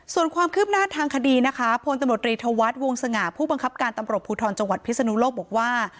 ส่วนความคืบหน้าทางคดีนะคะพลตำรวจรีธวัฒน์วงสง่าผู้บังคับการตำรวจภูทรจังหวัดพิศนุโลกบอกว่า